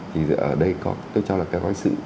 thì ở đây tôi cho là có cái sự